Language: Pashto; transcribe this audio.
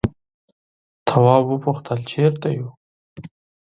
تواب وپوښتل چیرته یو.